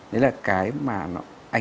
đấy là cái mà